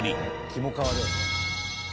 キモかわだよね。